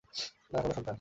না কোনো সন্তান।